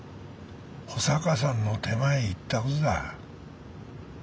保坂さんの手前言ったことだ。